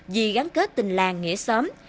vì gắn kết tình làng nghĩa xóm